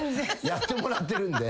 やってもらってるんで。